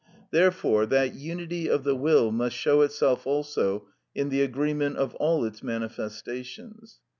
Therefore that unity of the will must show itself also in the agreement of all its manifestations.